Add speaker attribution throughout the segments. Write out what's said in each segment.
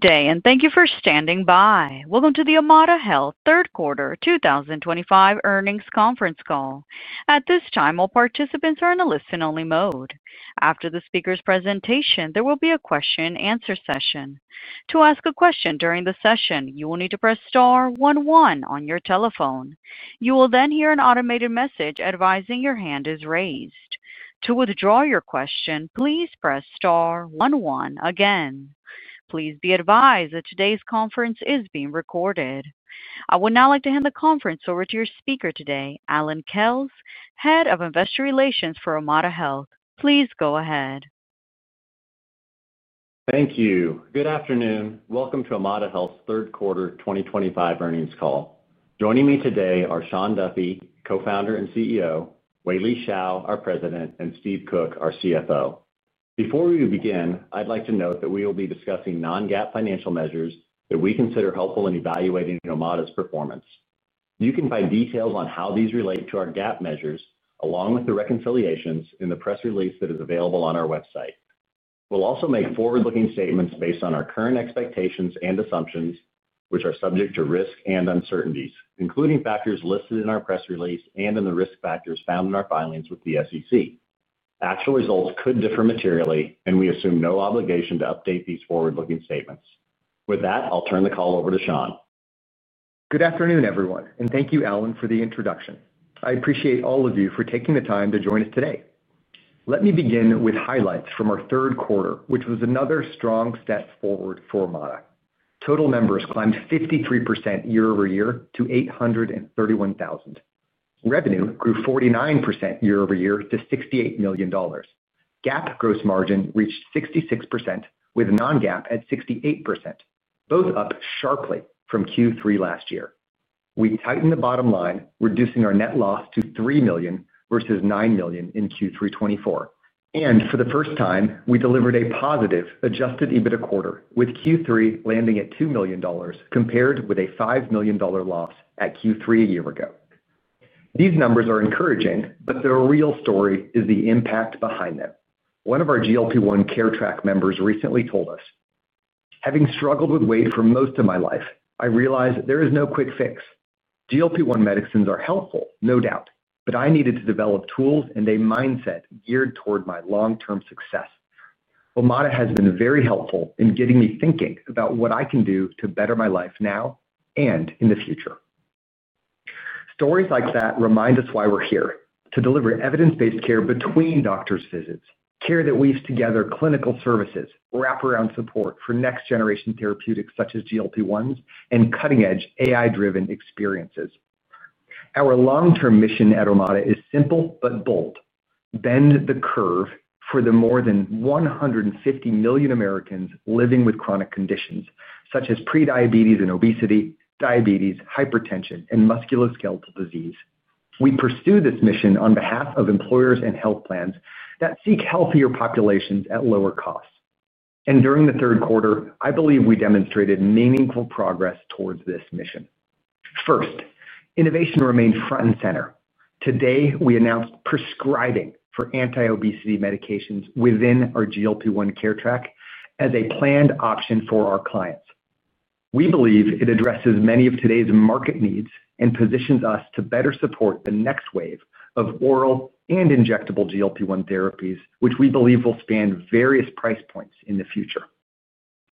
Speaker 1: Day, and thank you for standing by. Welcome to the Omada Health Third Quarter 2025 Earnings Conference Call. At this time, all participants are in the listen-only mode. After the speaker's presentation, there will be a Q&A session. To ask a question during the session, you will need to press star one one on your telephone. You will then hear an automated message advising your hand is raised. To withdraw your question, please press star one one again. Please be advised that today's conference is being recorded. I would now like to hand the conference over to your speaker today, Allan Kells, Head of Investor Relations for Omada Health. Please go ahead.
Speaker 2: Thank you. Good afternoon. Welcome to Omada Health Third Quarter 2025 Earnings Call. Joining me today are Sean Duffy, Co-founder and CEO; Wei-Li Shao, our President; and Steve Cook, our CFO. Before we begin, I'd like to note that we will be discussing non-GAAP financial measures that we consider helpful in evaluating Omada's performance. You can find details on how these relate to our GAAP measures, along with the reconciliations, in the press release that is available on our website. We'll also make forward-looking statements based on our current expectations and assumptions, which are subject to risk and uncertainties, including factors listed in our press release and in the risk factors found in our filings with the SEC. Actual results could differ materially, and we assume no obligation to update these forward-looking statements. With that, I'll turn the call over to Sean.
Speaker 3: Good afternoon, everyone, and thank you, Allan, for the introduction. I appreciate all of you for taking the time to join us today. Let me begin with highlights from our third quarter, which was another strong step forward for Omada. Total members climbed 53% year-over-year to 831,000. Revenue grew 49% year-over-year to $68 million. GAAP gross margin reached 66%, with non-GAAP at 68%, both up sharply from Q3 last year. We tightened the bottom line, reducing our net loss to $3 million versus $9 million in Q3 2024. For the first time, we delivered a positive adjusted EBITDA quarter, with Q3 landing at $2 million compared with a $5 million loss at Q3 a year ago. These numbers are encouraging, but the real story is the impact behind them. One of our GLP-1 Care Track members recently told us. Having struggled with weight for most of my life, I realized there is no quick fix. GLP-1 medicines are helpful, no doubt, but I needed to develop tools and a mindset geared toward my long-term success. Omada has been very helpful in getting me thinking about what I can do to better my life now and in the future." Stories like that remind us why we're here: to deliver evidence-based care between doctors' visits, care that weaves together clinical services, wraparound support for next-generation therapeutics such as GLP-1s, and cutting-edge, AI-driven experiences. Our long-term mission at Omada is simple but bold: bend the curve for the more than 150 million Americans living with chronic conditions such as prediabetes and obesity, diabetes, hypertension, and musculoskeletal disease. We pursue this mission on behalf of employers and health plans that seek healthier populations at lower costs. During the third quarter, I believe we demonstrated meaningful progress towards this mission. First, innovation remained front and center. Today, we announced prescribing for anti-obesity medications within our GLP-1 Care Track as a planned option for our clients. We believe it addresses many of today's market needs and positions us to better support the next wave of oral and injectable GLP-1 therapies, which we believe will span various price points in the future.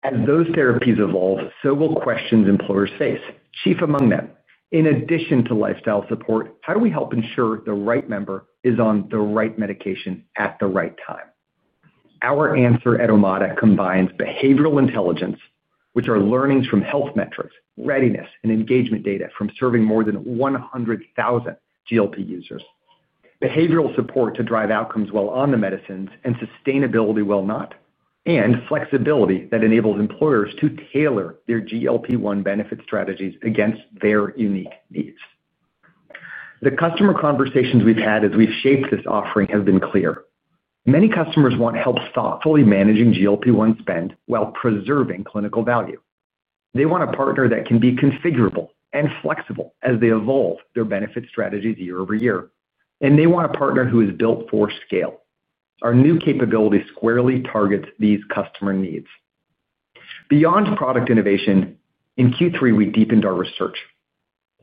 Speaker 3: As those therapies evolve, so will questions employers face. Chief among them, in addition to lifestyle support, how do we help ensure the right member is on the right medication at the right time? Our answer at Omada combines behavioral intelligence, which are learnings from health metrics, readiness, and engagement data from serving more than 100,000 GLP users; behavioral support to drive outcomes while on the medicines and sustainability while not; and flexibility that enables employers to tailor their GLP-1 benefit strategies against their unique needs. The customer conversations we've had as we've shaped this offering have been clear. Many customers want help thoughtfully managing GLP-1 spend while preserving clinical value. They want a partner that can be configurable and flexible as they evolve their benefit strategies year over year, and they want a partner who is built for scale. Our new capability squarely targets these customer needs. Beyond product innovation, in Q3, we deepened our research.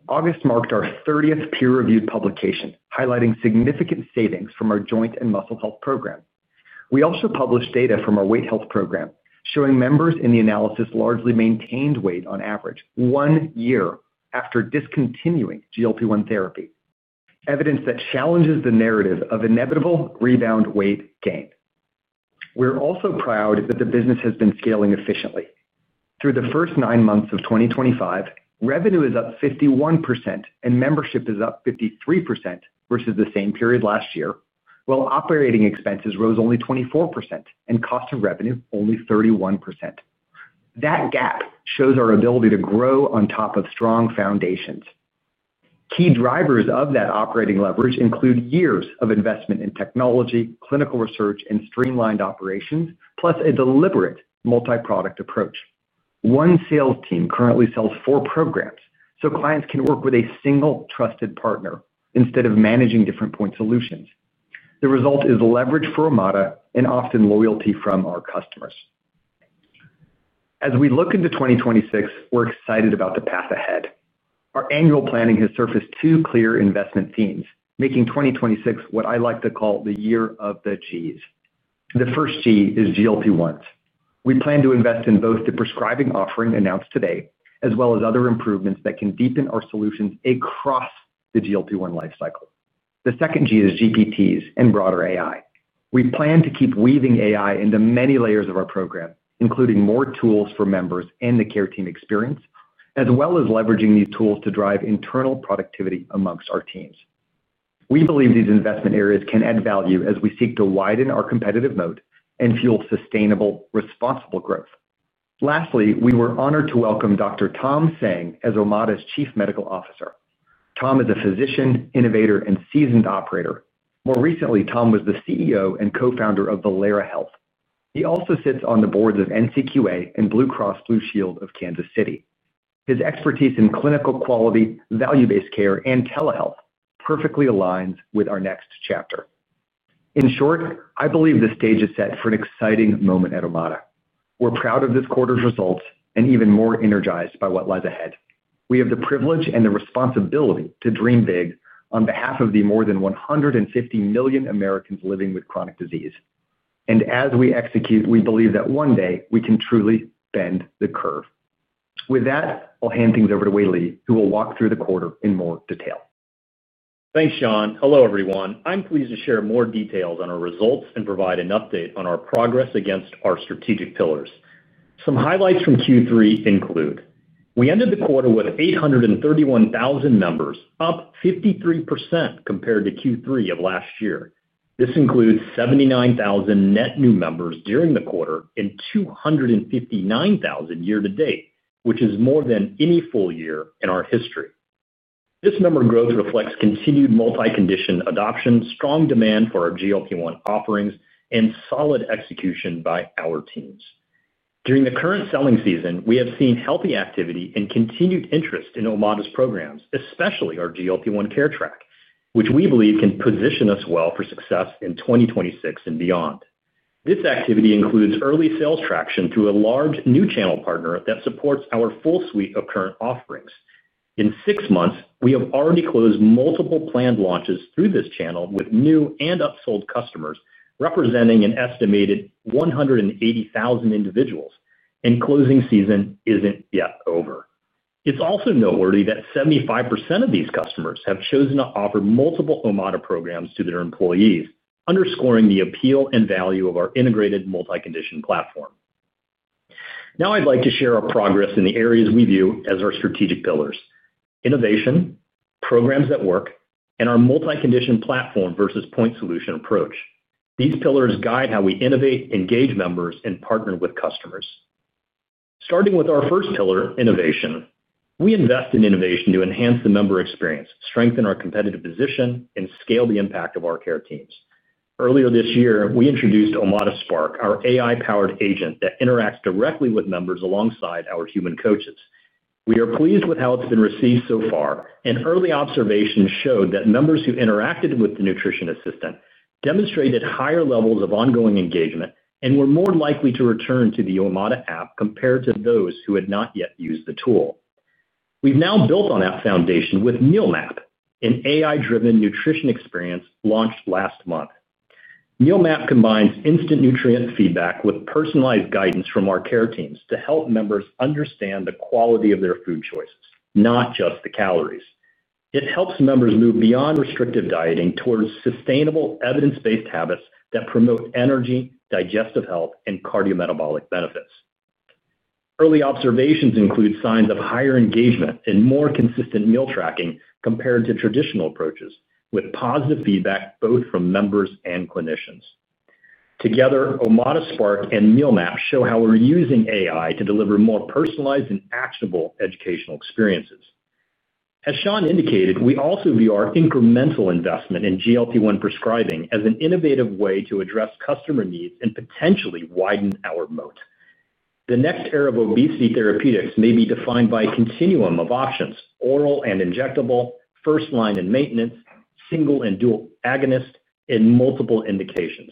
Speaker 3: August marked our 30th peer-reviewed publication, highlighting significant savings from our joint and muscle health program. We also published data from our weight health program, showing members in the analysis largely maintained weight on average one year after discontinuing GLP-1 therapy, evidence that challenges the narrative of inevitable rebound weight gain. We're also proud that the business has been scaling efficiently. Through the first nine months of 2025, revenue is up 51% and membership is up 53% versus the same period last year, while operating expenses rose only 24% and cost of revenue only 31%. That gap shows our ability to grow on top of strong foundations. Key drivers of that operating leverage include years of investment in technology, clinical research, and streamlined operations, plus a deliberate multi-product approach. One sales team currently sells four programs, so clients can work with a single trusted partner instead of managing different point solutions. The result is leverage for Omada and often loyalty from our customers. As we look into 2026, we're excited about the path ahead. Our annual planning has surfaced two clear investment themes, making 2026 what I like to call the year of the Gs. The first G is GLP-1s. We plan to invest in both the prescribing offering announced today, as well as other improvements that can deepen our solutions across the GLP-1 lifecycle. The second G is GPTs and broader AI. We plan to keep weaving AI into many layers of our program, including more tools for members and the care team experience, as well as leveraging these tools to drive internal productivity amongst our teams. We believe these investment areas can add value as we seek to widen our competitive moat and fuel sustainable, responsible growth. Lastly, we were honored to welcome Dr. Tom Tsang as Omada's Chief Medical Officer. Tom is a physician, innovator, and seasoned operator. More recently, Tom was the CEO and co-founder of Valera Health. He also sits on the boards of NCQA and Blue Cross Blue Shield of Kansas City. His expertise in clinical quality, value-based care, and telehealth perfectly aligns with our next chapter. In short, I believe the stage is set for an exciting moment at Omada. We're proud of this quarter's results and even more energized by what lies ahead. We have the privilege and the responsibility to dream big on behalf of the more than 150 million Americans living with chronic disease. As we execute, we believe that one day we can truly bend the curve. With that, I'll hand things over to Wei-Li, who will walk through the quarter in more detail.
Speaker 4: Thanks, Sean. Hello, everyone. I'm pleased to share more details on our results and provide an update on our progress against our strategic pillars. Some highlights from Q3 include: we ended the quarter with 831,000 members, up 53% compared to Q3 of last year. This includes 79,000 net new members during the quarter and 259,000 year to date, which is more than any full year in our history. This number of growth reflects continued multi-condition adoption, strong demand for our GLP-1 offerings, and solid execution by our teams. During the current selling season, we have seen healthy activity and continued interest in Omada's programs, especially our GLP-1 Care Track, which we believe can position us well for success in 2026 and beyond. This activity includes early sales traction through a large new channel partner that supports our full suite of current offerings. In six months, we have already closed multiple planned launches through this channel with new and upsold customers representing an estimated 180,000 individuals, and closing season isn't yet over. It's also noteworthy that 75% of these customers have chosen to offer multiple Omada programs to their employees, underscoring the appeal and value of our integrated multi-condition platform. Now I'd like to share our progress in the areas we view as our strategic pillars: Innovation, Programs that work, and our Multi-condition platform versus point solution approach. These pillars guide how we innovate, engage members, and partner with customers. Starting with our first pillar, Innovation, we invest in innovation to enhance the member experience, strengthen our competitive position, and scale the impact of our care teams. Earlier this year, we introduced OmadaSpark, our AI-powered agent that interacts directly with members alongside our human coaches. We are pleased with how it's been received so far, and early observations showed that members who interacted with the nutrition assistant demonstrated higher levels of ongoing engagement and were more likely to return to the Omada app compared to those who had not yet used the tool. We've now built on that foundation with Meal Map, an AI-driven nutrition experience launched last month. Meal Map combines instant nutrient feedback with personalized guidance from our care teams to help members understand the quality of their food choices, not just the calories. It helps members move beyond restrictive dieting towards sustainable, evidence-based habits that promote energy, digestive health, and cardiometabolic benefits. Early observations include signs of higher engagement and more consistent meal tracking compared to traditional approaches, with positive feedback both from members and clinicians. Together, OmadaSpark and Meal Map show how we're using AI to deliver more personalized and actionable educational experiences. As Sean indicated, we also view our incremental investment in GLP-1 prescribing as an innovative way to address customer needs and potentially widen our moat. The next era of obesity therapeutics may be defined by a continuum of options: oral and injectable, first-line and maintenance, single and dual agonist, and multiple indications,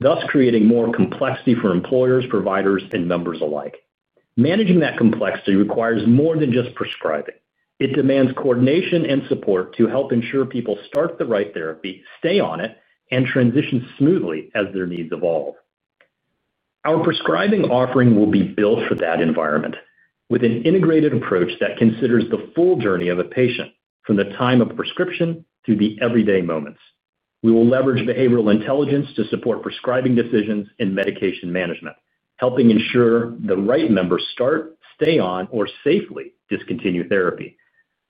Speaker 4: thus creating more complexity for employers, providers, and members alike. Managing that complexity requires more than just prescribing. It demands coordination and support to help ensure people start the right therapy, stay on it, and transition smoothly as their needs evolve. Our prescribing offering will be built for that environment, with an integrated approach that considers the full journey of a patient from the time of prescription to the everyday moments. We will leverage behavioral intelligence to support prescribing decisions and medication management, helping ensure the right members start, stay on, or safely discontinue therapy.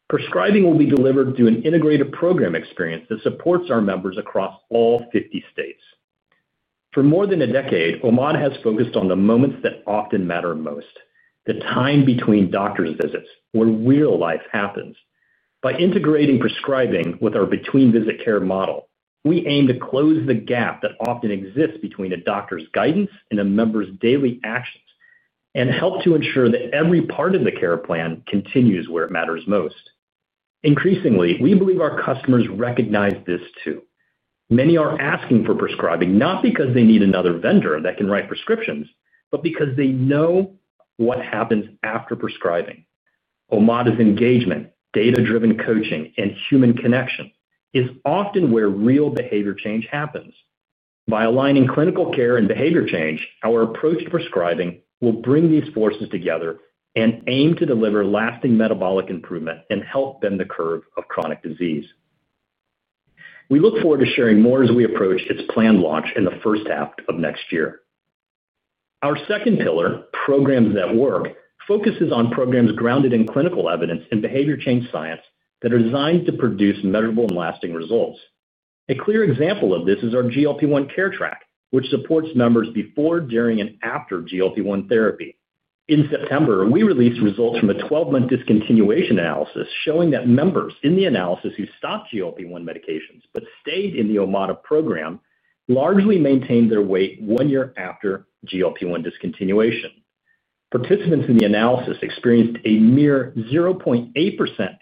Speaker 4: Prescribing will be delivered through an integrated program experience that supports our members across all 50 states. For more than a decade, Omada has focused on the moments that often matter most: the time between doctors' visits, where real life happens. By integrating prescribing with our between-visit care model, we aim to close the gap that often exists between a doctor's guidance and a member's daily actions and help to ensure that every part of the care plan continues where it matters most. Increasingly, we believe our customers recognize this too. Many are asking for prescribing not because they need another vendor that can write prescriptions, but because they know what happens after prescribing. Omada's engagement, data-driven coaching, and human connection is often where real behavior change happens. By aligning clinical care and behavior change, our approach to prescribing will bring these forces together and aim to deliver lasting metabolic improvement and help bend the curve of chronic disease. We look forward to sharing more as we approach its planned launch in the first half of next year. Our second pillar, Programs that work, focuses on programs grounded in clinical evidence and behavior change science that are designed to produce measurable and lasting results. A clear example of this is our GLP-1 Care Track, which supports members before, during, and after GLP-1 therapy. In September, we released results from a 12-month discontinuation analysis showing that members in the analysis who stopped GLP-1 medications but stayed in the Omada program largely maintained their weight one year after GLP-1 discontinuation. Participants in the analysis experienced a mere 0.8%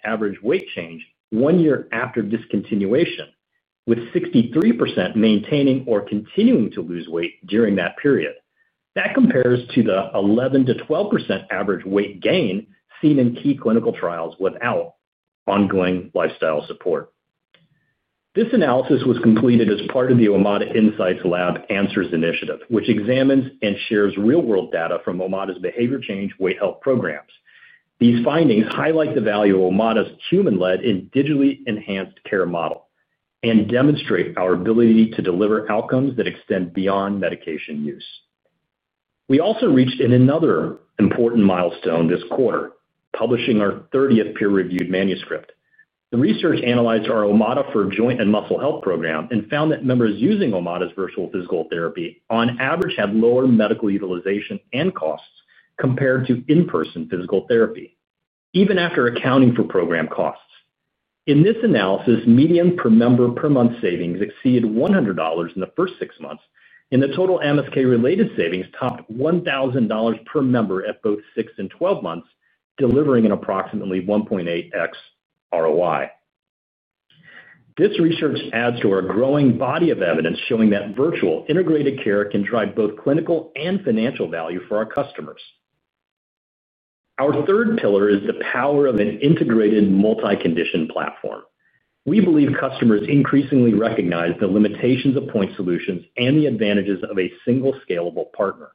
Speaker 4: average weight change one year after discontinuation, with 63% maintaining or continuing to lose weight during that period. That compares to the 11%-12% average weight gain seen in key clinical trials without ongoing lifestyle support. This analysis was completed as part of the Omada Insights Lab ANSWERS initiative, which examines and shares real-world data from Omada's behavior change weight health programs. These findings highlight the value of Omada's human-led and digitally enhanced care model and demonstrate our ability to deliver outcomes that extend beyond medication use. We also reached another important milestone this quarter: publishing our 30th peer-reviewed manuscript. The research analyzed our Omada for joint and muscle health program and found that members using Omada's virtual physical therapy on average had lower medical utilization and costs compared to in-person physical therapy, even after accounting for program costs. In this analysis, median per member per month savings exceeded $100 in the first six months, and the total MSK-related savings topped $1,000 per member at both six and 12 months, delivering an approximately 1.8x ROI. This research adds to our growing body of evidence showing that virtual integrated care can drive both clinical and financial value for our customers. Our third pillar is the power of an integrated Multi-condition platform. We believe customers increasingly recognize the limitations of point solutions and the advantages of a single scalable partner.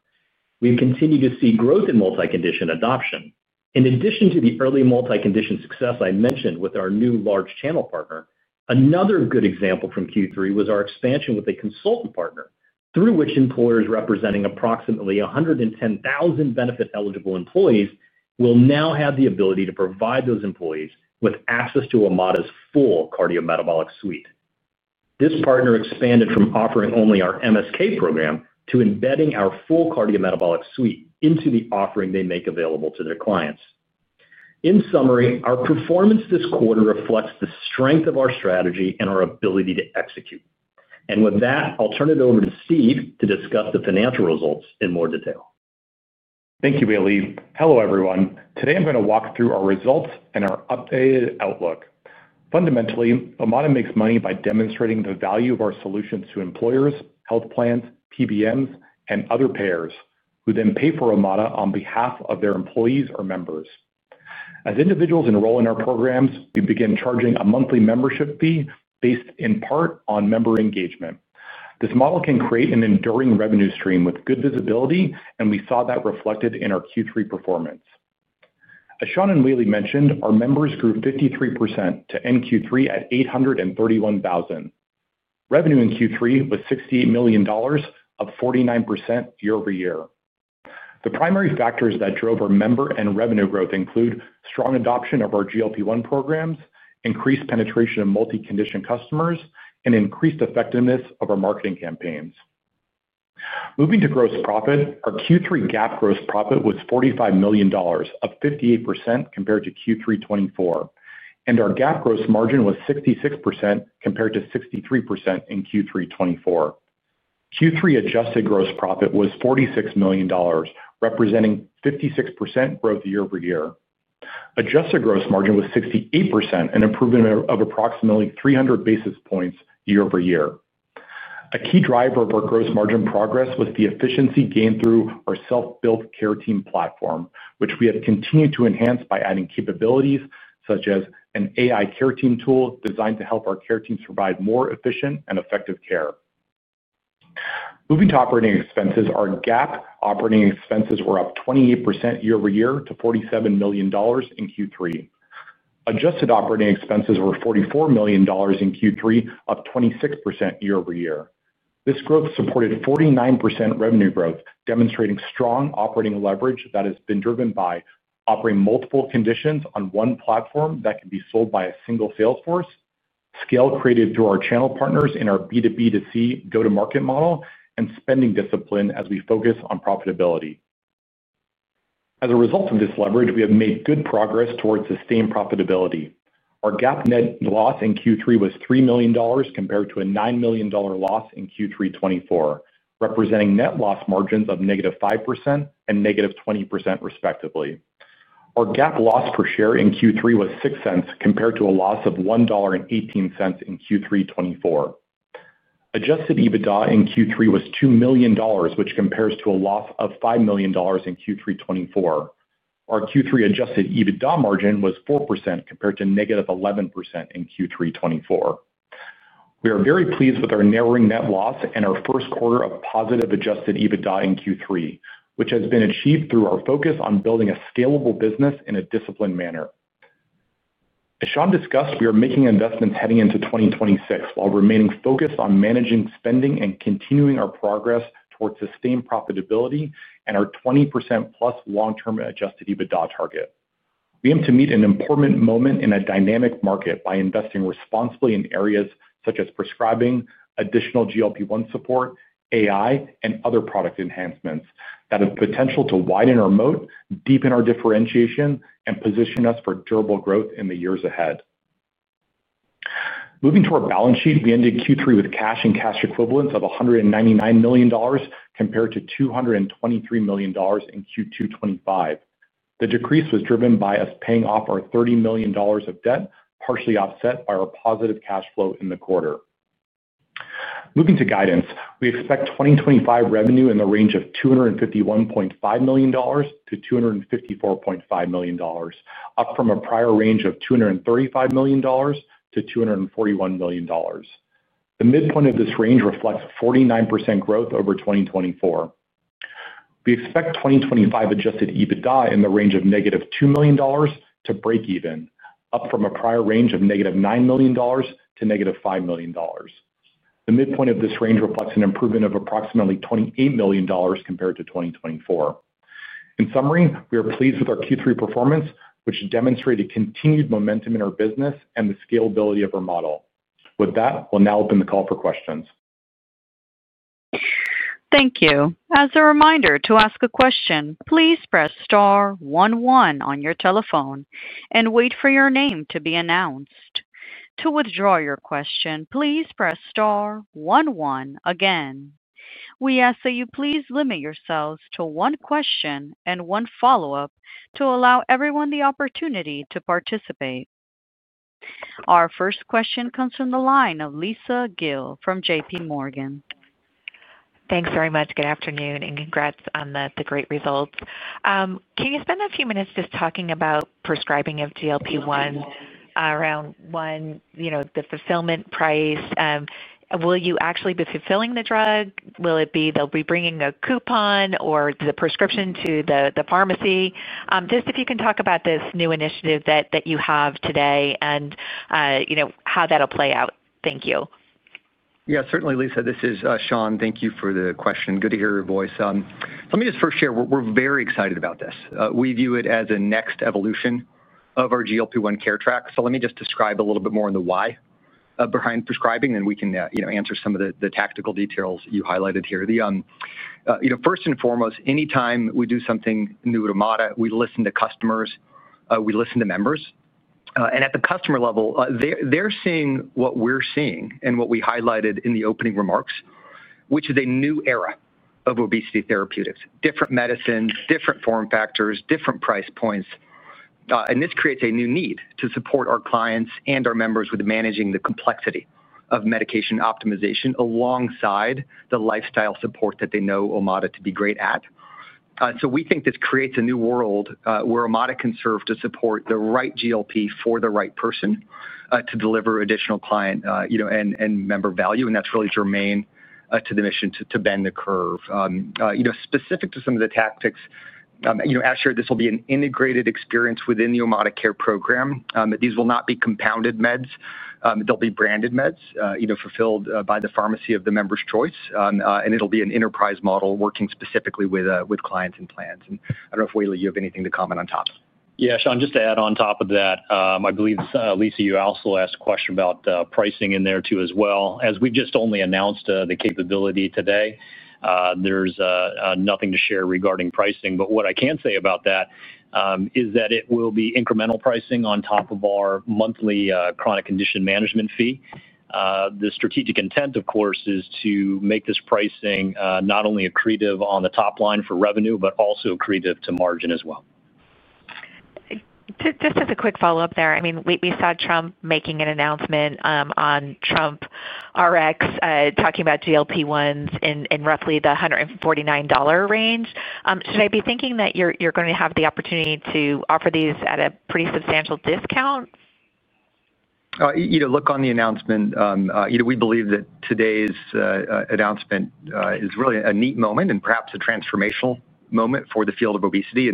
Speaker 4: We continue to see growth in Multi-condition adoption. In addition to the early Multi-condition success I mentioned with our new large channel partner, another good example from Q3 was our expansion with a consultant partner through which employers representing approximately 110,000 benefit-eligible employees will now have the ability to provide those employees with access to Omada's full cardiometabolic suite. This partner expanded from offering only our MSK program to embedding our full cardiometabolic suite into the offering they make available to their clients. In summary, our performance this quarter reflects the strength of our strategy and our ability to execute. I will turn it over to Steve to discuss the financial results in more detail.
Speaker 5: Thank you, Wei-Li. Hello, everyone. Today, I'm going to walk through our results and our updated outlook. Fundamentally, Omada makes money by demonstrating the value of our solutions to employers, health plans, PBMs, and other payers, who then pay for Omada on behalf of their employees or members. As individuals enroll in our programs, we begin charging a monthly membership fee based in part on member engagement. This model can create an enduring revenue stream with good visibility, and we saw that reflected in our Q3 performance. As Sean and Wei-Li mentioned, our members grew 53% to end Q3 at 831,000. Revenue in Q3 was $68 million, up 49% year-over-year. The primary factors that drove our member and revenue growth include strong adoption of our GLP-1 programs, increased penetration of Multi-condition customers, and increased effectiveness of our marketing campaigns. Moving to gross profit, our Q3 GAAP gross profit was $45 million, up 58% compared to Q3 2024, and our GAAP gross margin was 66% compared to 63% in Q3 2024. Q3 adjusted gross profit was $46 million, representing 56% growth year-over-year. Adjusted gross margin was 68%, an improvement of approximately 300 basis points year-over-year. A key driver of our gross margin progress was the efficiency gained through our self-built care team platform, which we have continued to enhance by adding capabilities such as an AI care team tool designed to help our care teams provide more efficient and effective care. Moving to operating expenses, our GAAP operating expenses were up 28% year-over-year to $47 million in Q3. Adjusted operating expenses were $44 million in Q3, up 26% year-over-year. This growth supported 49% revenue growth, demonstrating strong operating leverage that has been driven by operating multiple conditions on one platform that can be sold by a single salesforce, scale created through our channel partners in our B2B2C go-to-market model, and spending discipline as we focus on profitability. As a result of this leverage, we have made good progress towards sustained profitability. Our GAAP net loss in Q3 was $3 million compared to a $9 million loss in Q3 2024, representing net loss margins of -5% and -20%, respectively. Our GAAP loss per share in Q3 was $0.06 compared to a loss of $1.18 in Q3 2024. Adjusted EBITDA in Q3 was $2 million, which compares to a loss of $5 million in Q3 2024. Our Q3 adjusted EBITDA margin was 4% compared to -11% in Q3 2024. We are very pleased with our narrowing net loss and our first quarter of positive adjusted EBITDA in Q3, which has been achieved through our focus on building a scalable business in a disciplined manner. As Sean discussed, we are making investments heading into 2026 while remaining focused on managing spending and continuing our progress towards sustained profitability and our 20% plus long-term adjusted EBITDA target. We aim to meet an important moment in a dynamic market by investing responsibly in areas such as prescribing, additional GLP-1 support, AI, and other product enhancements that have potential to widen our moat, deepen our differentiation, and position us for durable growth in the years ahead. Moving to our balance sheet, we ended Q3 with cash and cash equivalents of $199 million compared to $223 million in Q2 2025. The decrease was driven by us paying off our $30 million of debt, partially offset by our positive cash flow in the quarter. Moving to guidance, we expect 2025 revenue in the range of $251.5 million-$254.5 million, up from a prior range of $235 million-$241 million. The midpoint of this range reflects 49% growth over 2024. We expect 2025 adjusted EBITDA in the range of -$2 million to break even, up from a prior range of -$9 million to -$5 million. The midpoint of this range reflects an improvement of approximately $28 million compared to 2024. In summary, we are pleased with our Q3 performance, which demonstrated continued momentum in our business and the scalability of our model. With that, we'll now open the call for questions.
Speaker 1: Thank you. As a reminder, to ask a question, please press star one one on your telephone and wait for your name to be announced. To withdraw your question, please press star one one again. We ask that you please limit yourselves to one question and one follow-up to allow everyone the opportunity to participate. Our first question comes from the line of Lisa Gill from JPMorgan.
Speaker 6: Thanks very much. Good afternoon and congrats on the great results. Can you spend a few minutes just talking about prescribing of GLP-1 around, one, the fulfillment price? Will you actually be fulfilling the drug? Will it be they'll be bringing a coupon or the prescription to the pharmacy? Just if you can talk about this new initiative that you have today and how that'll play out. Thank you.
Speaker 3: Yeah, certainly, Lisa. This is Sean. Thank you for the question. Good to hear your voice. Let me just first share, we're very excited about this. We view it as a next evolution of our GLP-1 Care Track. Let me just describe a little bit more on the why behind prescribing, and then we can answer some of the tactical details you highlighted here. First and foremost, anytime we do something new at Omada, we listen to customers, we listen to members. At the customer level, they're seeing what we're seeing and what we highlighted in the opening remarks, which is a new era of obesity therapeutics, different medicines, different form factors, different price points. This creates a new need to support our clients and our members with managing the complexity of medication optimization alongside the lifestyle support that they know Omada to be great at. We think this creates a new world where Omada can serve to support the right GLP for the right person to deliver additional client and member value. That is really germane to the mission to bend the curve. Specific to some of the tactics, as shared, this will be an integrated experience within the Omada Care program. These will not be compounded meds. They will be branded meds fulfilled by the pharmacy of the member's choice. It will be an enterprise model working specifically with clients and plans. I do not know if, Wei-Li, you have anything to comment on top.
Speaker 4: Yeah, Sean, just to add on top of that, I believe, Lisa, you also asked a question about pricing in there too as well. As we've just only announced the capability today, there's nothing to share regarding pricing. What I can say about that is that it will be incremental pricing on top of our monthly chronic condition management fee. The strategic intent, of course, is to make this pricing not only accretive on the top line for revenue, but also accretive to margin as well.
Speaker 6: Just as a quick follow-up there, I mean, we saw Trump making an announcement on TrumpRx talking about GLP-1s in roughly the $149 range. Should I be thinking that you're going to have the opportunity to offer these at a pretty substantial discount?
Speaker 3: Look on the announcement. We believe that today's announcement is really a neat moment and perhaps a transformational moment for the field of obesity.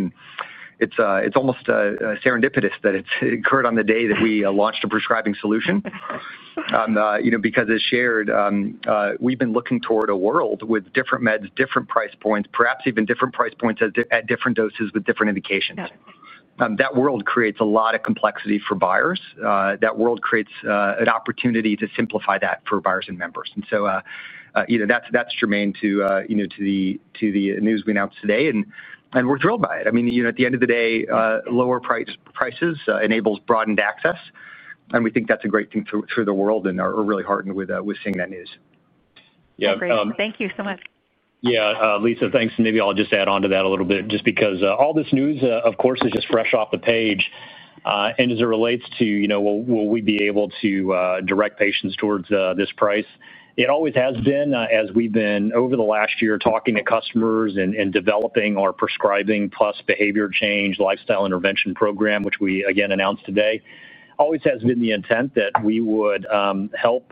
Speaker 3: It is almost serendipitous that it occurred on the day that we launched a prescribing solution. Because, as shared, we've been looking toward a world with different meds, different price points, perhaps even different price points at different doses with different indications. That world creates a lot of complexity for buyers. That world creates an opportunity to simplify that for buyers and members. That is germane to the news we announced today. We're thrilled by it. I mean, at the end of the day, lower prices enable broadened access. We think that's a great thing through the world and are really heartened with seeing that news.
Speaker 6: Great. Thank you so much.
Speaker 4: Yeah, Lisa, thanks. Maybe I'll just add on to that a little bit just because all this news, of course, is just fresh off the page. As it relates to, will we be able to direct patients towards this price? It always has been, as we've been over the last year talking to customers and developing our prescribing plus behavior change lifestyle intervention program, which we, again, announced today, always has been the intent that we would help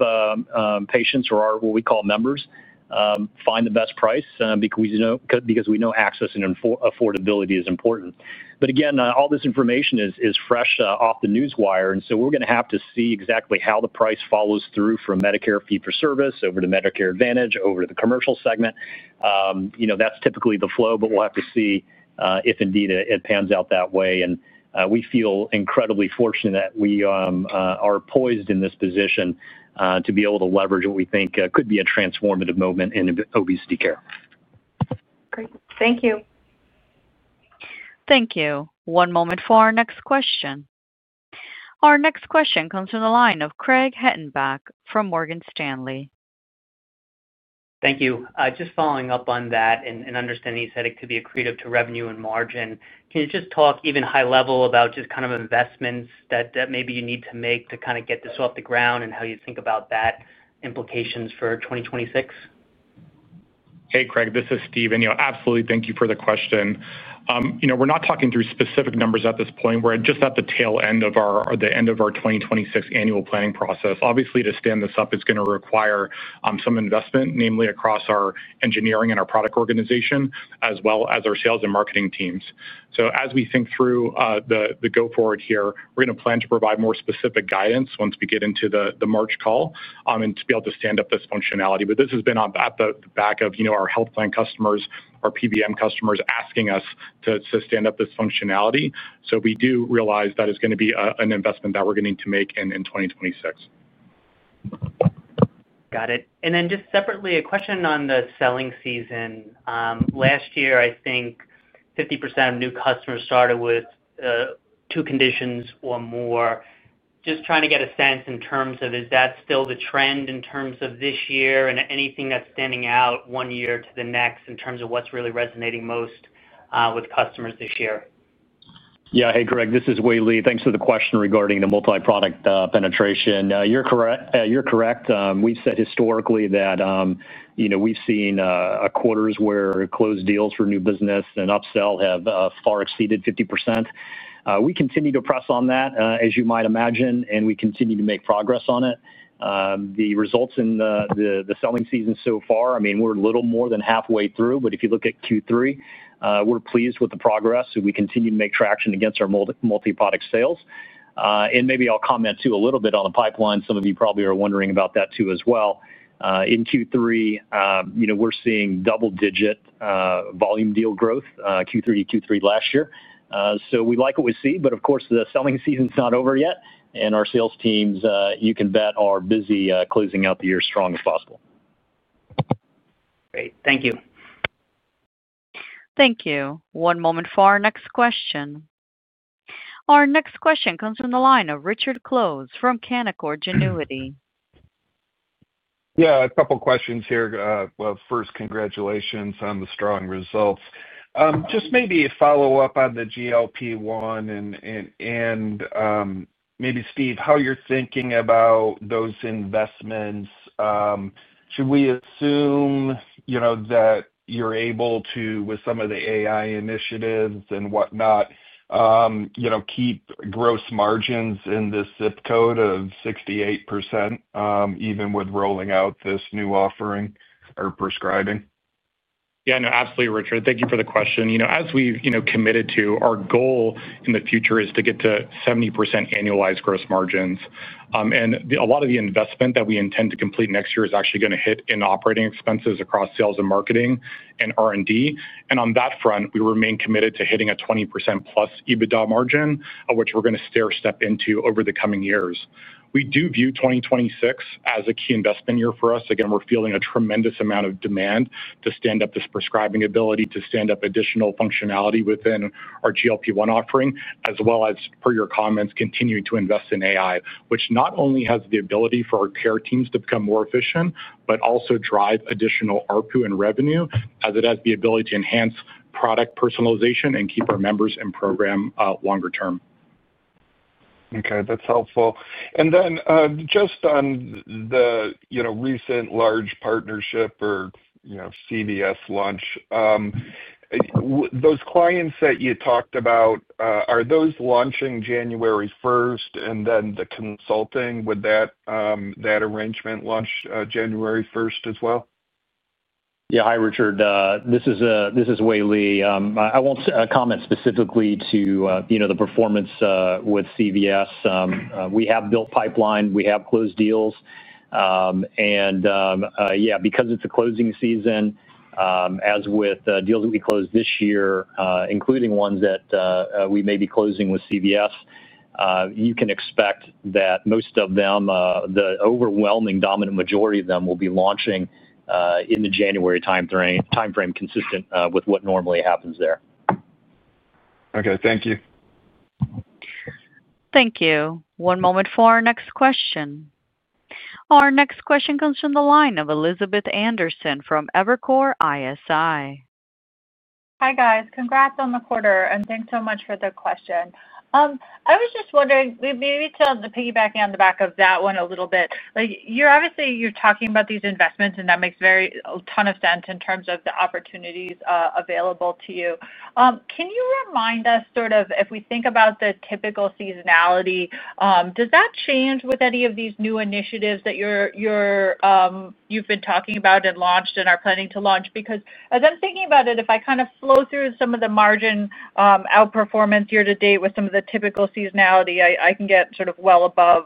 Speaker 4: patients, or what we call members, find the best price because we know access and affordability is important. Again, all this information is fresh off the news wire. We're going to have to see exactly how the price follows through from Medicare fee for service over to Medicare Advantage, over to the commercial segment. That's typically the flow, but we'll have to see if indeed it pans out that way. We feel incredibly fortunate that we are poised in this position to be able to leverage what we think could be a transformative moment in obesity care.
Speaker 6: Great. Thank you.
Speaker 1: Thank you. One moment for our next question. Our next question comes from the line of Craig Hettenbach from Morgan Stanley.
Speaker 7: Thank you. Just following up on that and understanding you said it could be accretive to revenue and margin. Can you just talk even high level about just kind of investments that maybe you need to make to kind of get this off the ground and how you think about that implications for 2026?
Speaker 5: Hey, Craig, this is Steve. Absolutely, thank you for the question. We're not talking through specific numbers at this point. We're just at the tail end of the end of our 2026 annual planning process. Obviously, to stand this up, it's going to require some investment, namely across our engineering and our product organization, as well as our sales and marketing teams. As we think through the go-forward here, we're going to plan to provide more specific guidance once we get into the March call and to be able to stand up this functionality. This has been at the back of our health plan customers, our PBM customers asking us to stand up this functionality. We do realize that is going to be an investment that we're going to need to make in 2026.
Speaker 7: Got it. Then just separately, a question on the selling season. Last year, I think 50% of new customers started with two conditions or more. Just trying to get a sense in terms of, is that still the trend in terms of this year and anything that's standing out one year to the next in terms of what's really resonating most with customers this year?
Speaker 4: Yeah. Hey, Craig, this is Wei-Li. Thanks for the question regarding the multi-product penetration. You're correct. We've said historically that we've seen quarters where closed deals for new business and upsell have far exceeded 50%. We continue to press on that, as you might imagine, and we continue to make progress on it. The results in the selling season so far, I mean, we're a little more than halfway through, but if you look at Q3, we're pleased with the progress. We continue to make traction against our multi-product sales. Maybe I'll comment too a little bit on the pipeline. Some of you probably are wondering about that too as well. In Q3, we're seeing double-digit volume deal growth Q3-to-Q3 last year. We like what we see, but of course, the selling season's not over yet. Our sales teams, you can bet, are busy closing out the year as strong as possible.
Speaker 7: Great. Thank you.
Speaker 1: Thank you. One moment for our next question. Our next question comes from the line of Richard Close from Canaccord Genuity.
Speaker 8: Yeah, a couple of questions here. First, congratulations on the strong results. Just maybe a follow-up on the GLP-1 and maybe, Steve, how you're thinking about those investments. Should we assume that you're able to, with some of the AI initiatives and whatnot, keep gross margins in this zip code of 68% even with rolling out this new offering or prescribing?
Speaker 5: Yeah, no, absolutely, Richard. Thank you for the question. As we've committed to, our goal in the future is to get to 70% annualized gross margins. A lot of the investment that we intend to complete next year is actually going to hit in operating expenses across sales and marketing and R&D. On that front, we remain committed to hitting a +20% EBITDA margin, which we're going to stair-step into over the coming years. We do view 2026 as a key investment year for us. Again, we're feeling a tremendous amount of demand to stand up this prescribing ability, to stand up additional functionality within our GLP-1 offering, as well as, per your comments, continue to invest in AI, which not only has the ability for our care teams to become more efficient, but also drive additional ARPU and revenue, as it has the ability to enhance product personalization and keep our members in program longer term.
Speaker 8: Okay, that's helpful. Just on the recent large partnership or CVS launch, those clients that you talked about, are those launching January 1st? And then the consulting, would that arrangement launch January 1st as well?
Speaker 4: Yeah, hi, Richard. This is Wei-Li. I won't comment specifically to the performance with CVS. We have built pipeline. We have closed deals. Yeah, because it's a closing season, as with deals that we closed this year, including ones that we may be closing with CVS. You can expect that most of them, the overwhelming dominant majority of them, will be launching in the January timeframe, consistent with what normally happens there.
Speaker 8: Okay, thank you.
Speaker 1: Thank you. One moment for our next question. Our next question comes from the line of Elizabeth Anderson from Evercore ISI.
Speaker 9: Hi, guys. Congrats on the quarter, and thanks so much for the question. I was just wondering, maybe to piggyback on the back of that one a little bit, obviously, you're talking about these investments, and that makes a ton of sense in terms of the opportunities available to you. Can you remind us sort of, if we think about the typical seasonality, does that change with any of these new initiatives that you've been talking about and launched and are planning to launch? Because as I'm thinking about it, if I kind of flow through some of the margin outperformance year to date with some of the typical seasonality, I can get sort of well above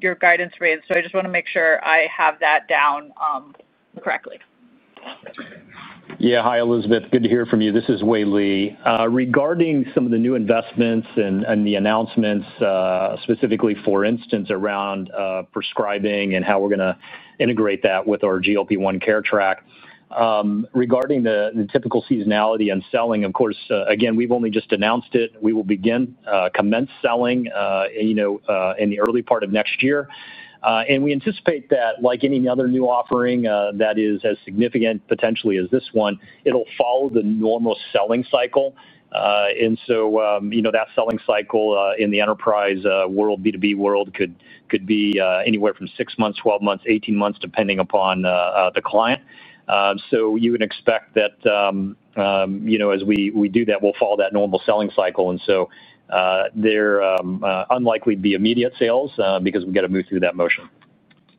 Speaker 9: your guidance rate. I just want to make sure I have that down. Correctly.
Speaker 4: Yeah, hi, Elizabeth. Good to hear from you. This is Wei-Li. Regarding some of the new investments and the announcements, specifically, for instance, around prescribing and how we're going to integrate that with our GLP-1 Care Track. Regarding the typical seasonality and selling, of course, again, we've only just announced it. We will begin commence selling in the early part of next year. And we anticipate that, like any other new offering that is as significant potentially as this one, it'll follow the normal selling cycle. That selling cycle in the enterprise world, B2B world, could be anywhere from six months, 12 months, 18 months, depending upon the client. You can expect that. As we do that, we'll follow that normal selling cycle. There unlikely to be immediate sales because we've got to move through that motion.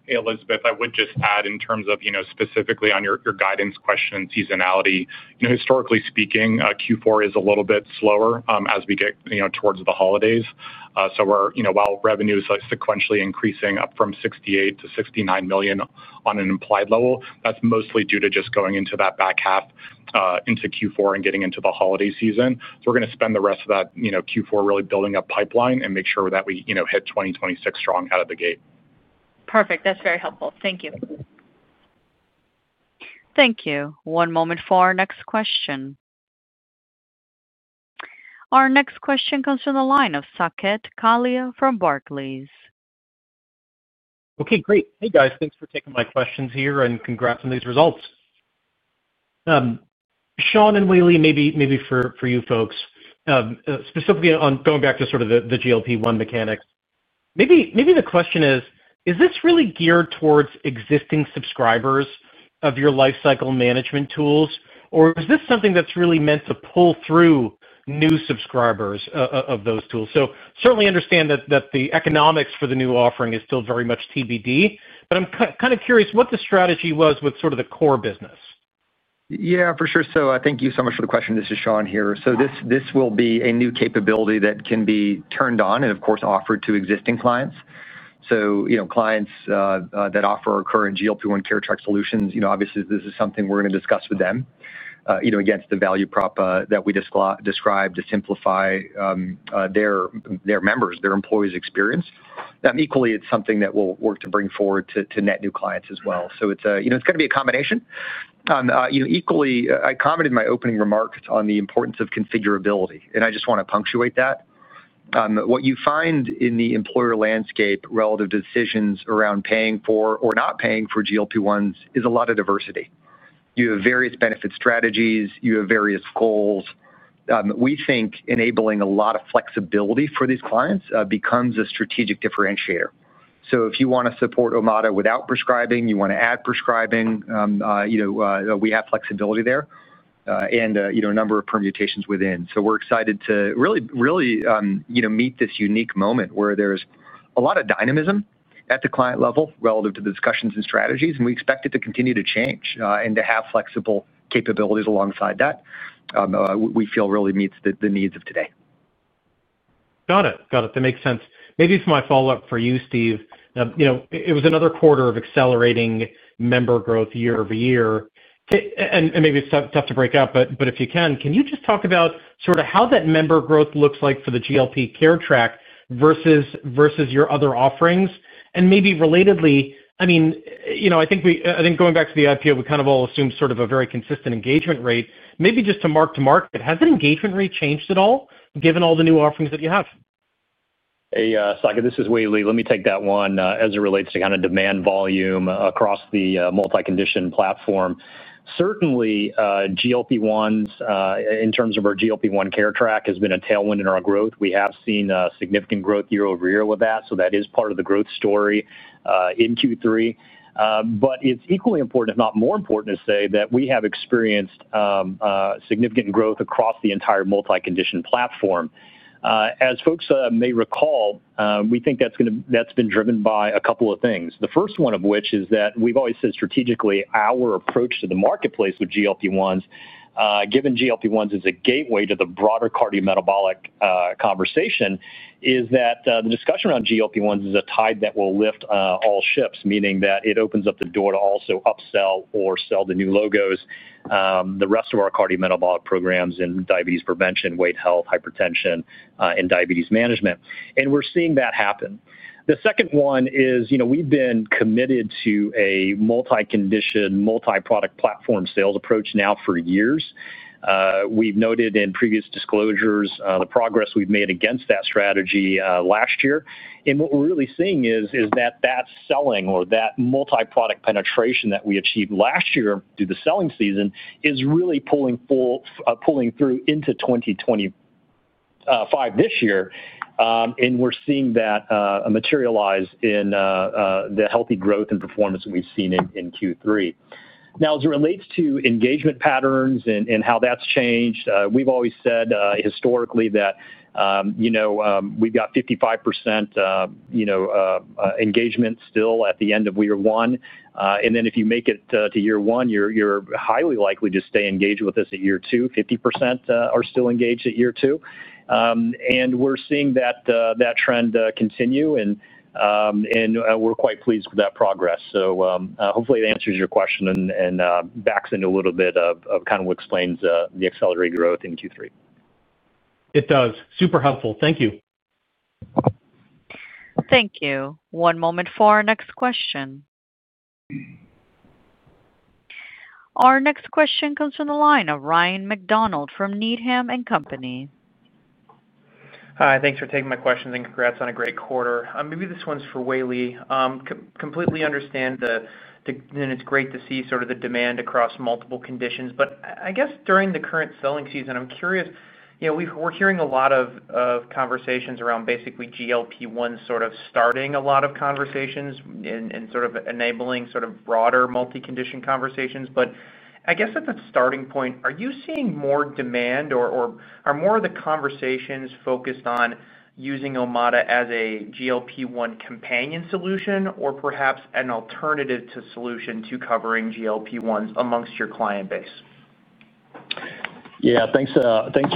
Speaker 5: Hey, Elizabeth, I would just add in terms of specifically on your guidance question, seasonality, historically speaking, Q4 is a little bit slower as we get towards the holidays. While revenue is sequentially increasing up from $68 million to $69 million on an implied level, that's mostly due to just going into that back half into Q4 and getting into the holiday season. We're going to spend the rest of that Q4 really building a pipeline and make sure that we hit 2026 strong out of the gate.
Speaker 9: Perfect. That's very helpful. Thank you.
Speaker 1: Thank you. One moment for our next question. Our next question comes from the line of Saket Kalia from Barclays.
Speaker 10: Okay, great. Hey, guys. Thanks for taking my questions here and congrats on these results. Sean and Wei-Li, maybe for you folks. Specifically on going back to sort of the GLP-1 mechanics. Maybe the question is, is this really geared towards existing subscribers of your life cycle management tools, or is this something that's really meant to pull through new subscribers of those tools? Certainly understand that the economics for the new offering is still very much TBD, but I'm kind of curious what the strategy was with sort of the core business.
Speaker 3: Yeah, for sure. So thank you so much for the question. This is Sean here. This will be a new capability that can be turned on and, of course, offered to existing clients. Clients that offer our current GLP-1 Care Track solutions, obviously, this is something we're going to discuss with them. Against the value prop that we described to simplify their members, their employees' experience. Equally, it's something that we'll work to bring forward to net new clients as well. It's going to be a combination. Equally, I commented in my opening remarks on the importance of configurability, and I just want to punctuate that. What you find in the employer landscape relative to decisions around paying for or not paying for GLP-1s is a lot of diversity. You have various benefit strategies. You have various goals. We think enabling a lot of flexibility for these clients becomes a strategic differentiator. If you want to support Omada without prescribing, you want to add prescribing, we have flexibility there, and a number of permutations within. We are excited to really meet this unique moment where there is a lot of dynamism at the client level relative to the discussions and strategies, and we expect it to continue to change and to have flexible capabilities alongside that. We feel really meets the needs of today.
Speaker 10: Got it. Got it. That makes sense. Maybe for my follow-up for you, Steve, it was another quarter of accelerating member growth year-over-year. Maybe it's tough to break up, but if you can, can you just talk about sort of how that member growth looks like for the GLP-1 Care Track versus your other offerings? Maybe relatedly, I mean, I think going back to the IPO, we kind of all assume sort of a very consistent engagement rate. Maybe just to mark to market, has that engagement rate changed at all given all the new offerings that you have?
Speaker 4: Hey, Saket, this is Wei-Li. Let me take that one as it relates to kind of demand volume across the Multi-condition platform. Certainly, GLP-1s in terms of our GLP-1 Care Track has been a tailwind in our growth. We have seen significant growth year-over-year with that. That is part of the growth story in Q3. It is equally important, if not more important, to say that we have experienced significant growth across the entire Multi-condition platform. As folks may recall, we think that's been driven by a couple of things. The first one of which is that we've always said strategically our approach to the marketplace with GLP-1s, given GLP-1s is a gateway to the broader cardiometabolic conversation, is that the discussion around GLP-1s is a tide that will lift all ships, meaning that it opens up the door to also upsell or sell the new logos. The rest of our cardiometabolic programs in diabetes prevention, weight health, hypertension, and diabetes management. We're seeing that happen. The second one is we've been committed to a Multi-condition, multi-product platform sales approach now for years. We've noted in previous disclosures the progress we've made against that strategy last year. What we're really seeing is that that selling or that multi-product penetration that we achieved last year through the selling season is really pulling through into 2025 this year. We're seeing that materialize in the healthy growth and performance that we've seen in Q3. Now, as it relates to engagement patterns and how that's changed, we've always said historically that we've got 55% engagement still at the end of year one. Then if you make it to year one, you're highly likely to stay engaged with us at year two. 50% are still engaged at year two. We are seeing that trend continue. We are quite pleased with that progress. Hopefully, it answers your question and backs into a little bit of kind of what explains the accelerated growth in Q3.
Speaker 10: It does. Super helpful. Thank you.
Speaker 1: Thank you. One moment for our next question. Our next question comes from the line of Ryan MacDonald from Needham & Company.
Speaker 11: Hi, thanks for taking my questions and congrats on a great quarter. Maybe this one's for Wei-Li. Completely understand. It's great to see sort of the demand across multiple conditions. I guess during the current selling season, I'm curious, we're hearing a lot of conversations around basically GLP-1 sort of starting a lot of conversations and sort of enabling broader Multi-condition conversations. I guess at the starting point, are you seeing more demand or are more of the conversations focused on using Omada as a GLP-1 companion solution or perhaps an alternative solution to covering GLP-1s amongst your client base?
Speaker 4: Yeah, thanks for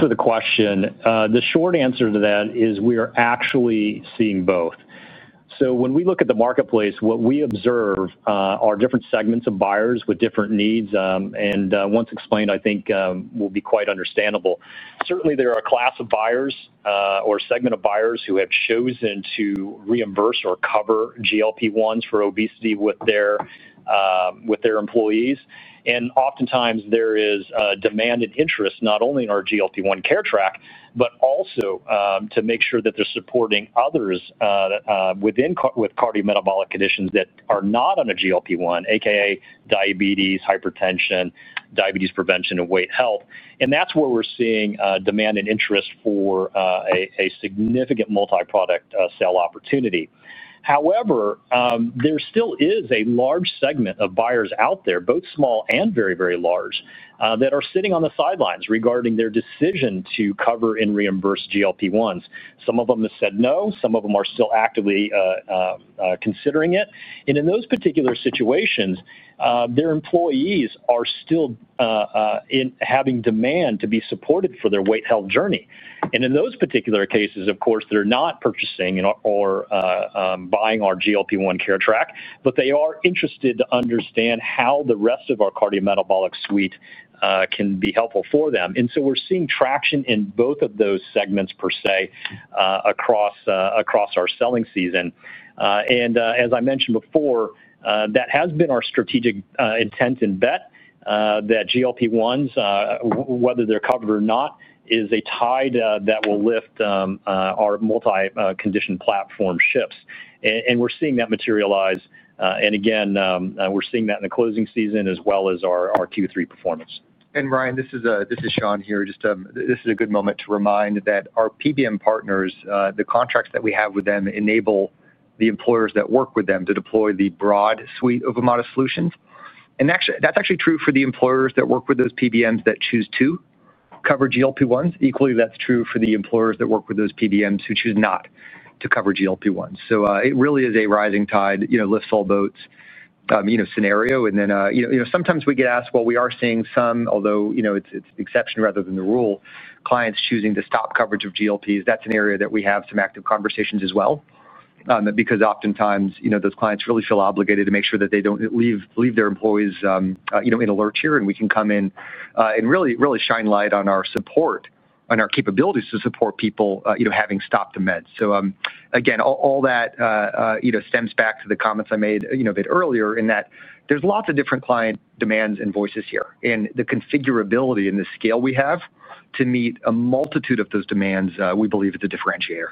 Speaker 4: the question. The short answer to that is we are actually seeing both. When we look at the marketplace, what we observe are different segments of buyers with different needs. Once explained, I think will be quite understandable. Certainly, there are a class of buyers or a segment of buyers who have chosen to reimburse or cover GLP-1s for obesity with their employees. Oftentimes, there is demand and interest not only in our GLP-1 Care Track, but also to make sure that they're supporting others with cardiometabolic conditions that are not on a GLP-1, a.k.a. diabetes, hypertension, diabetes prevention, and weight health. That's where we're seeing demand and interest for a significant multi-product sale opportunity. However. There still is a large segment of buyers out there, both small and very, very large, that are sitting on the sidelines regarding their decision to cover and reimburse GLP-1s. Some of them have said no. Some of them are still actively considering it. In those particular situations, their employees are still having demand to be supported for their weight health journey. In those particular cases, of course, they are not purchasing or buying our GLP-1 Care Track, but they are interested to understand how the rest of our cardiometabolic suite can be helpful for them. We are seeing traction in both of those segments per se across our selling season. As I mentioned before, that has been our strategic intent and bet that GLP-1s, whether they are covered or not, is a tide that will lift our Multi-condition platform ships. We are seeing that materialize. We're seeing that in the closing season as well as our Q3 performance.
Speaker 3: Ryan, this is Sean here. This is a good moment to remind that our PBM partners, the contracts that we have with them enable the employers that work with them to deploy the broad suite of Omada solutions. That's actually true for the employers that work with those PBMs that choose to cover GLP-1s. Equally, that's true for the employers that work with those PBMs who choose not to cover GLP-1s. It really is a rising tide lifts all boats scenario. Sometimes we get asked, we are seeing some, although it's exception rather than the rule, clients choosing to stop coverage of GLPs. That's an area that we have some active conversations as well. Because oftentimes, those clients really feel obligated to make sure that they don't leave their employees in alert here. We can come in and really shine light on our support and our capabilities to support people having stopped the meds. Again, all that stems back to the comments I made a bit earlier in that there's lots of different client demands and voices here. The configurability and the scale we have to meet a multitude of those demands, we believe, is a differentiator.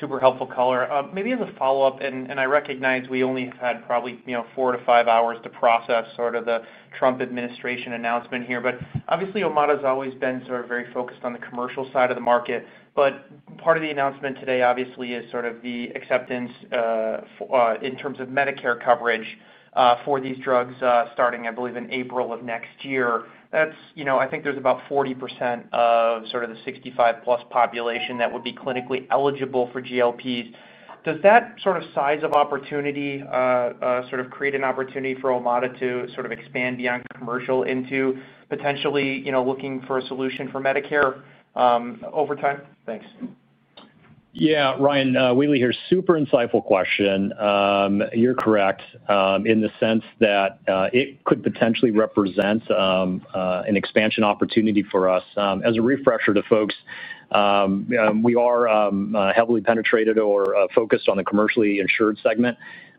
Speaker 11: Super helpful, Collar. Maybe as a follow-up, and I recognize we only have had probably four to five hours to process sort of the Trump administration announcement here. Obviously, Omada has always been sort of very focused on the commercial side of the market. Part of the announcement today, obviously, is sort of the acceptance in terms of Medicare coverage for these drugs starting, I believe, in April of next year. I think there's about 40% of sort of the 65+ population that would be clinically eligible for GLPs. Does that sort of size of opportunity sort of create an opportunity for Omada to sort of expand beyond commercial into potentially looking for a solution for Medicare over time? Thanks. Yeah, Ryan, Wei-Li here. Super insightful question. You're correct in the sense that it could potentially represent an expansion opportunity for us. As a refresher to folks, we are heavily penetrated or focused on the commercially insured segment.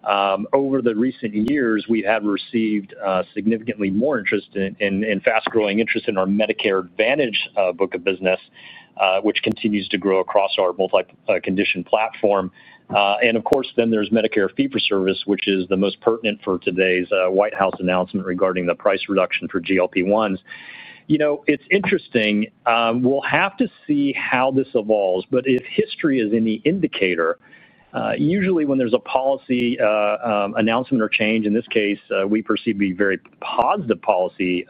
Speaker 11: Over the recent years, we have received significantly more interest and fast-growing interest in our Medicare Advantage book of business, which continues to grow across our multi-condition platform. Of course, then there's Medicare Fee-for-Service, which is the most pertinent for today's White House announcement regarding the price reduction for GLP-1s. It's interesting. We'll have to see how this evolves. If history is any indicator, usually when there's a policy announcement or change, in this case, we perceive to be very positive policy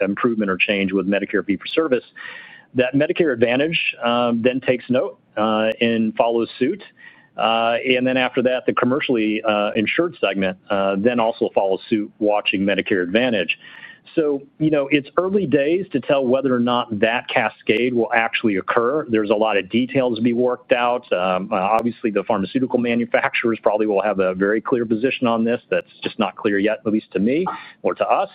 Speaker 11: improvement or change with Medicare Fee-for-Service, that Medicare Advantage then takes note and follows suit. After that, the commercially insured segment then also follows suit watching Medicare Advantage. It is early days to tell whether or not that cascade will actually occur. There are a lot of details to be worked out. Obviously, the pharmaceutical manufacturers probably will have a very clear position on this. That is just not clear yet, at least to me or to us.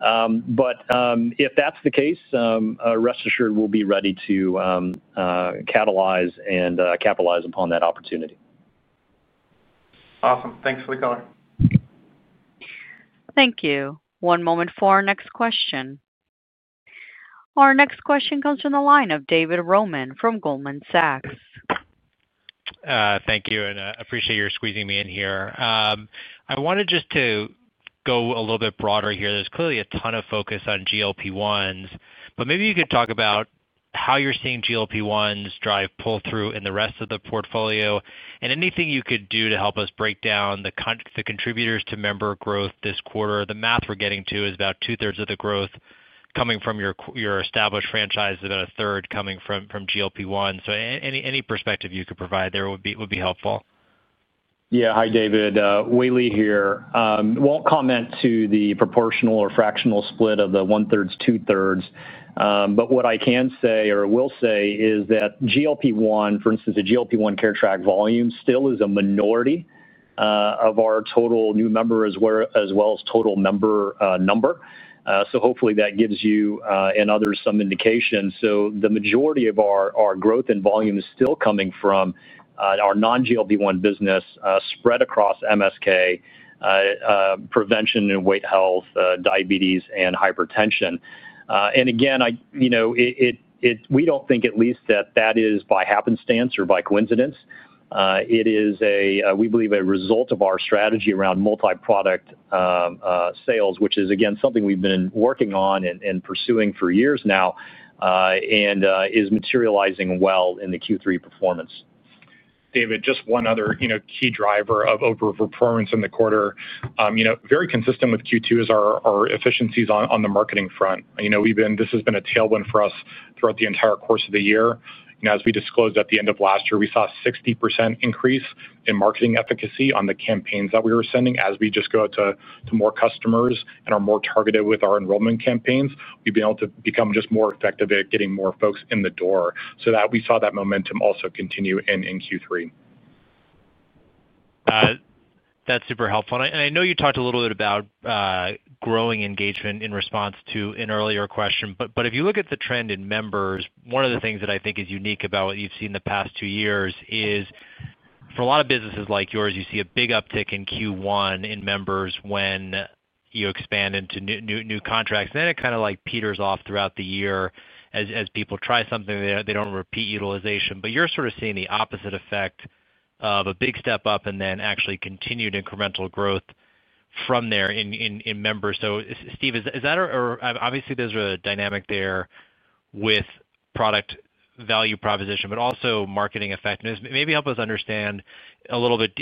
Speaker 11: If that is the case, rest assured we will be ready to catalyze and capitalize upon that opportunity. Awesome. Thanks for the color.
Speaker 1: Thank you. One moment for our next question. Our next question comes from the line of David Roman from Goldman Sachs.
Speaker 12: Thank you. I appreciate your squeezing me in here. I wanted just to go a little bit broader here. There is clearly a ton of focus on GLP-1s. Maybe you could talk about how you are seeing GLP-1s drive pull-through in the rest of the portfolio and anything you could do to help us break down the contributors to member growth this quarter. The math we are getting to is about two-thirds of the growth coming from your established franchise, about a third coming from GLP-1. Any perspective you could provide there would be helpful.
Speaker 4: Yeah. Hi, David. Wei-Li here. Won't comment to the proportional or fractional split of the one-thirds, two-thirds. What I can say or will say is that GLP-1, for instance, a GLP-1 Care Track volume still is a minority of our total new members as well as total member number. Hopefully, that gives you and others some indication. The majority of our growth and volume is still coming from our non-GLP-1 business spread across MSK, prevention and weight health, diabetes, and hypertension. Again, we don't think at least that that is by happenstance or by coincidence. It is, we believe, a result of our strategy around multi-product sales, which is, again, something we've been working on and pursuing for years now and is materializing well in the Q3 performance.
Speaker 5: David, just one other key driver of over-performance in the quarter. Very consistent with Q2 is our efficiencies on the marketing front. This has been a tailwind for us throughout the entire course of the year. As we disclosed at the end of last year, we saw a 60% increase in marketing efficacy on the campaigns that we were sending. As we just go out to more customers and are more targeted with our enrollment campaigns, we've been able to become just more effective at getting more folks in the door. We saw that momentum also continue in Q3.
Speaker 12: That's super helpful. I know you talked a little bit about growing engagement in response to an earlier question. If you look at the trend in members, one of the things that I think is unique about what you've seen the past two years is, for a lot of businesses like yours, you see a big uptick in Q1 in members when you expand into new contracts. Then it kind of like peters off throughout the year as people try something, they don't repeat utilization. You're sort of seeing the opposite effect of a big step up and then actually continued incremental growth from there in members. Steve, is that obviously there's a dynamic there with product value proposition, but also marketing effectiveness. Maybe help us understand a little bit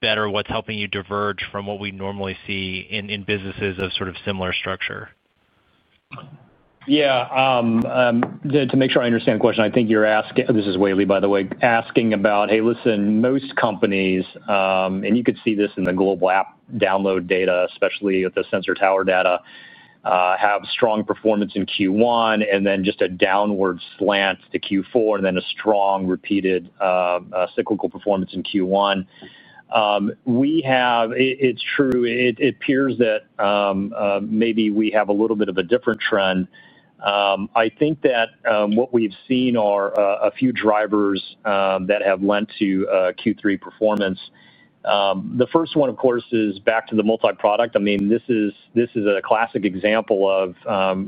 Speaker 12: better what's helping you diverge from what we normally see in businesses of sort of similar structure.
Speaker 4: Yeah. To make sure I understand the question, I think you're asking—this is Wei-Li, by the way—asking about, "Hey, listen, most companies," and you could see this in the global app download data, especially with the Sensor Tower data, "have strong performance in Q1 and then just a downward slant to Q4 and then a strong repeated cyclical performance in Q1." It's true. It appears that maybe we have a little bit of a different trend. I think that what we've seen are a few drivers that have lent to Q3 performance. The first one, of course, is back to the multi-product. I mean, this is a classic example of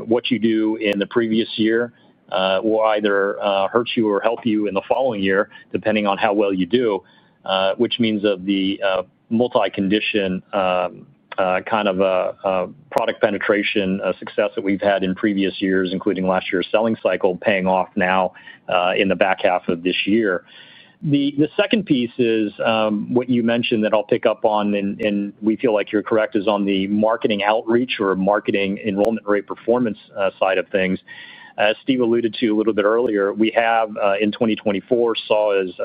Speaker 4: what you do in the previous year will either hurt you or help you in the following year, depending on how well you do, which means of the Multi-condition kind of product penetration success that we've had in previous years, including last year's selling cycle, paying off now in the back half of this year. The second piece is what you mentioned that I'll pick up on, and we feel like you're correct, is on the marketing outreach or marketing enrollment rate performance side of things. As Steve alluded to a little bit earlier, we have in 2024 saw the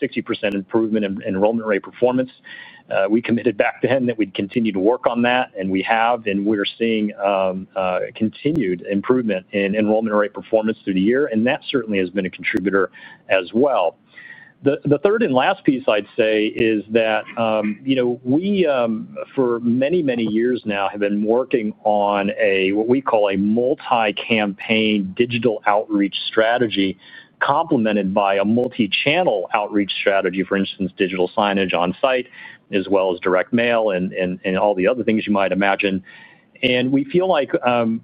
Speaker 4: 60% improvement in enrollment rate performance. We committed back then that we'd continue to work on that, and we have, and we're seeing. Continued improvement in enrollment rate performance through the year. That certainly has been a contributor as well. The third and last piece I'd say is that. We, for many, many years now, have been working on what we call a multi-campaign digital outreach strategy complemented by a multi-channel outreach strategy, for instance, digital signage on-site as well as direct mail and all the other things you might imagine. We feel like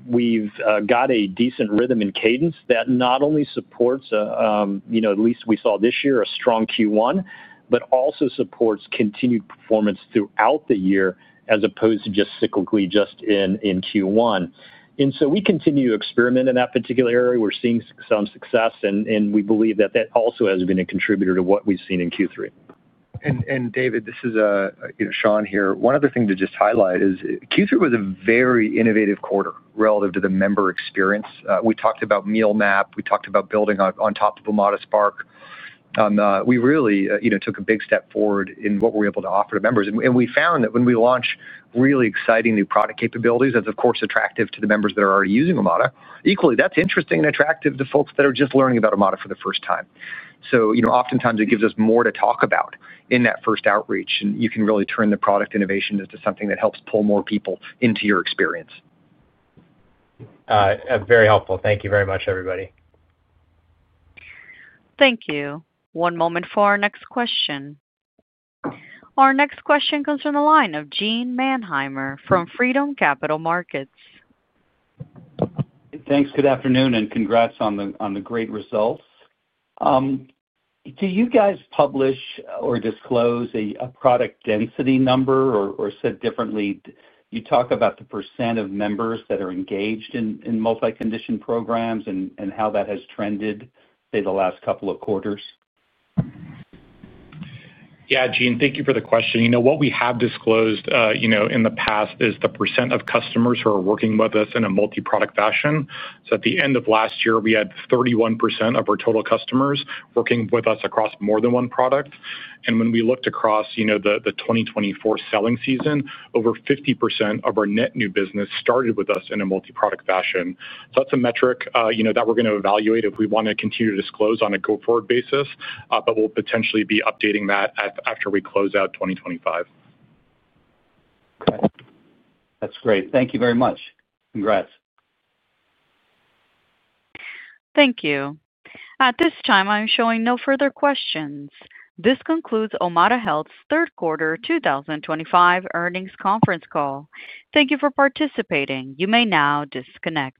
Speaker 4: we've got a decent rhythm and cadence that not only supports, at least we saw this year, a strong Q1, but also supports continued performance throughout the year as opposed to just cyclically just in Q1. We continue to experiment in that particular area. We're seeing some success, and we believe that that also has been a contributor to what we've seen in Q3.
Speaker 3: David, this is Sean here. One other thing to just highlight is Q3 was a very innovative quarter relative to the member experience. We talked about Meal Map. We talked about building on top of OmadaSpark. We really took a big step forward in what we're able to offer to members. We found that when we launch really exciting new product capabilities, that's, of course, attractive to the members that are already using Omada. Equally, that's interesting and attractive to folks that are just learning about Omada for the first time. Oftentimes, it gives us more to talk about in that first outreach. You can really turn the product innovation into something that helps pull more people into your experience.
Speaker 12: Very helpful. Thank you very much, everybody.
Speaker 1: Thank you. One moment for our next question. Our next question comes from the line of Gene Mannheimer from Freedom Capital Markets.
Speaker 13: Thanks. Good afternoon and congrats on the great results. Do you guys publish or disclose a product density number? Or said differently, you talk about the percent of members that are engaged in Multi-condition programs and how that has trended, say, the last couple of quarters.
Speaker 5: Yeah, Gene, thank you for the question. What we have disclosed in the past is the percent of customers who are working with us in a multi-product fashion. At the end of last year, we had 31% of our total customers working with us across more than one product. When we looked across the 2024 selling season, over 50% of our net new business started with us in a multi-product fashion. That is a metric that we're going to evaluate if we want to continue to disclose on a go-forward basis. We'll potentially be updating that after we close out 2025.
Speaker 13: Okay. That's great. Thank you very much. Congrats.
Speaker 1: Thank you. At this time, I'm showing no further questions. This concludes Omada Health's Third Quarter 2025 Earnings Conference Call. Thank you for participating. You may now disconnect.